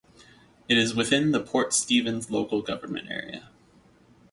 It is within the Port Stephens local government area.